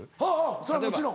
そりゃもちろん。